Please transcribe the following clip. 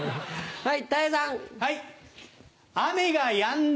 はい。